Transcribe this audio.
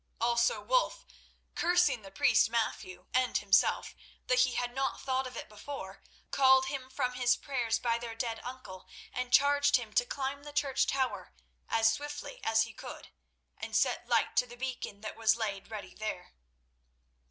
Also Wulf, cursing the priest Matthew and himself that he had not thought of it before, called him from his prayers by their dead uncle, and charged him to climb the church tower as swiftly as he could, and set light to the beacon that was laid ready there.